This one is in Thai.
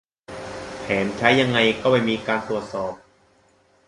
แถมใช้ยังไงก็ไม่มีการตรวจสอบ